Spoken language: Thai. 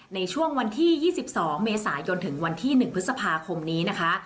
ในช่วงวันที่๒๒เมษายนถึงวันที่๑พฤษภาคมนี้นะคะ